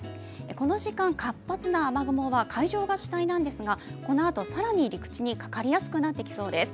この時間、活発な雨雲は海上が主体なんですがこのあと、更に陸地にかかりやすくなってきそうです。